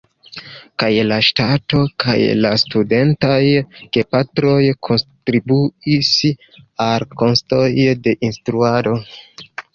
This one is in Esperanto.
Kaj la ŝtato kaj la studentaj gepatroj kontribuis al la kostoj de instruado.